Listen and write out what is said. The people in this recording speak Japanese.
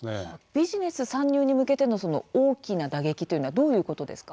ビジネス参入に向けての大きな打撃というのはどういうことですか？